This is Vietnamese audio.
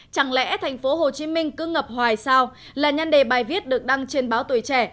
chẳng lẽ tp hcm cứ ngập hoài sao là nhan đề bài viết được đăng trên báo tuổi trẻ